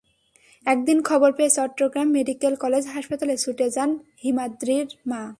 এদিন খবর পেয়ে চট্টগ্রাম মেডিকেল কলেজ হাসপাতালে ছুটে যান হিমাদ্রীর মা।